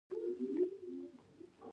ایس میکس په بریالیتوب سره موسکا وکړه